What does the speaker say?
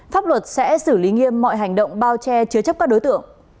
pháp luật sẽ xử lý nghiêm mọi hành động bao che chứa chấp các đối tượng